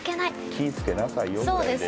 「気ぃつけなさいよ」ぐらいで。